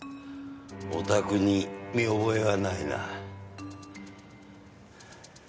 おたくに見覚えはないな。